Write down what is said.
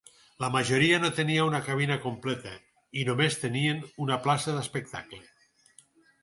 La majoria no tenia una cabina completa i només tenien una placa d"espectacle.